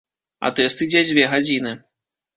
А тэст ідзе дзве гадзіны.